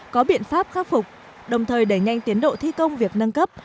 có biện pháp khắc phục đồng thời đẩy nhanh tiến độ thi công việc nâng cấp